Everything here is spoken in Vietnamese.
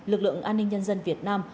lực lượng an ninh nhân dân việt nam